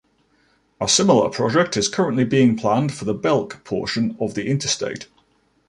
A similar project is currently being planned for the Belk portion of the interstate.